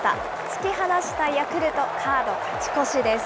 突き放したヤクルト、カード、勝ち越しです。